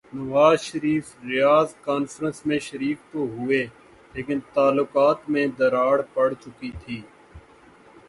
نواز Sharif Riyadh conference میں شریک تو ہوئے لیکن تعلقات میں دراڑ پڑ چکی تھی۔